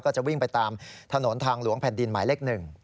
จะวิ่งไปตามถนนทางหลวงแผ่นดินหมายเลข๑